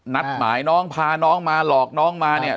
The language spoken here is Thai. นัดหมายน้องพาน้องมาหลอกน้องมาเนี่ย